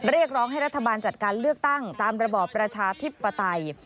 เรียกร้องให้รัฐบาลจัดการเลือกตั้งตามระบอบประชาธิปไตย